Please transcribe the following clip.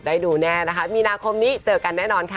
ได้ดูแน่นะคะมีนาคมนี้เจอกันแน่นอนค่ะ